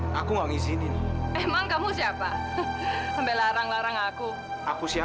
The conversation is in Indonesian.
sampai jumpa di video selanjutnya